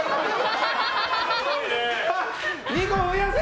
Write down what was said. さあ、２個増やせ！